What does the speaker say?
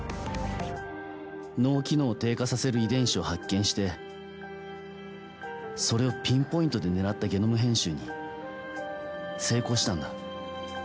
脳機能を低下させる遺伝子を発見してそれをピンポイントで狙ったゲノム編集に成功したんだ。